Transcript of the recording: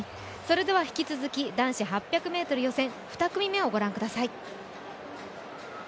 引き続き男子８００ｍ予選２組目をご覧ください。